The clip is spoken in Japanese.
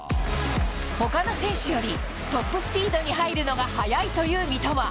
ほかの選手よりトップスピードに入るのが速いという三笘。